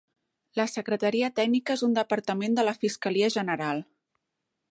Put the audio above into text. La secretaria tècnica és un departament de la Fiscalia General.